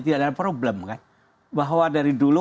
tidak ada problem kan bahwa dari dulu